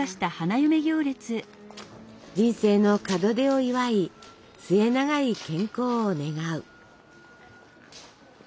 人生の門出を祝い末永い健康を願う。